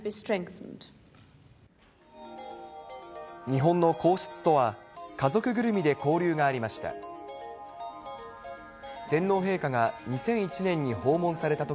日本の皇室とは家族ぐるみで交流がありました。